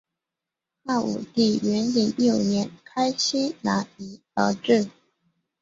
汉武帝元鼎六年开西南夷而置。